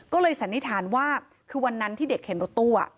ก็เลยสันนิษฐานว่าคือวันนั้นที่เด็กเห็นรถตู้